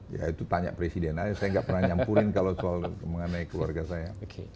ya itu tanya presiden aja saya nggak pernah nyampulin kalau soal mengenai keluarga saya